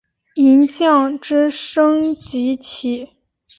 银将之升级棋。